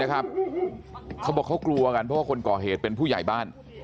เขาบอกเขากลัวกันเพราะว่าคนก่อเหตุเป็นผู้ใหญ่บ้าน